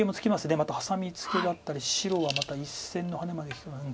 またハサミツケだったり白はまた１線のハネまで利くので。